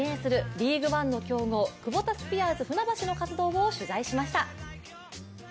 ＬＥＡＧＵＥＯＮＥの強豪、クボタスピアーズ船橋の活動を取材しました。